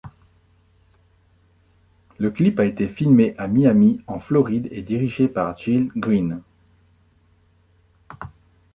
Le clip a été filmé à Miami, en Floride et dirigé par Gil Green.